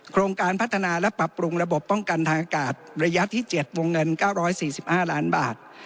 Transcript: โครงการพัฒนาและปรับปรุงระบบป้องกันทางอากาศระยะที่๗วงเงิน๙๔๕ล้านบาท